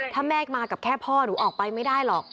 ถ้าแม่มากับแค่พ่อหนูออกไปไม่ได้หรอก